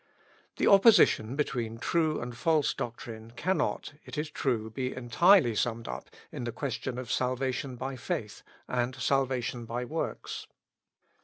The opposition between true and false doctrine cannot, it is true, be entirely summed up in the question of salvation by faith, and salvation by works.